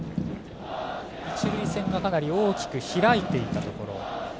一塁線がかなり大きく開いていたところ。